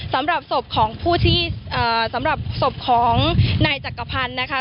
สำหรับศพของผู้ที่สำหรับศพของนายจักรพันธ์นะคะ